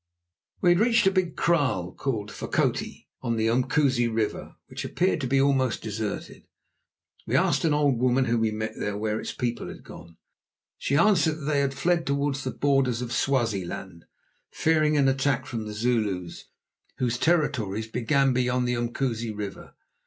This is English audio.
We had reached a big kraal called Fokoti, on the Umkusi River, which appeared to be almost deserted. We asked an old woman whom we met where its people had gone. She answered that they had fled towards the borders of Swaziland, fearing an attack from the Zulus, whose territories began beyond this Umkusi River.